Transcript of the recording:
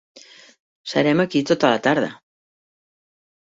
Serem aquí tota la tarda.